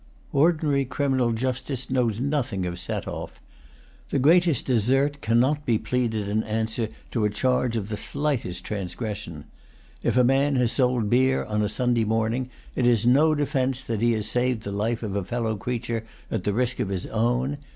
Ordinary criminal justice knows nothing of set off. The greatest desert cannot be pleaded in answer to a charge of the slightest transgression. If a man has sold beer on a Sunday morning, it is no defence that he has saved the life of a fellow creature at the risk of his own.